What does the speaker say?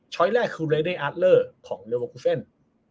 ช้อยแรกคือเรดเร้งอัตเลอร์ของเลวเวอร์กุฟเซ็นต์